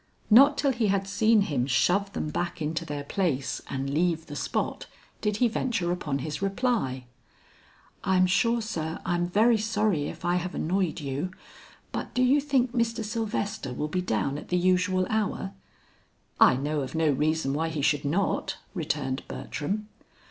Not till he had seen him shove them back into their place and leave the spot, did he venture upon his reply. "I'm sure, sir, I'm very sorry if I have annoyed you, but do you think Mr. Sylvester will be down at the usual hour?" "I know of no reason why he should not," returned Bertram.